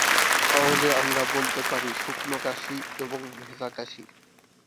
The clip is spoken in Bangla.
সহজে আমরা বলতে পারি- শুকনো কাশি এবং ভেজা কাশি।